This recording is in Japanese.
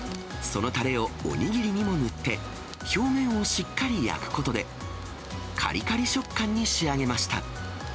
そのたれをお握りにも塗って、表面をしっかり焼くことで、かりかり食感に仕上げました。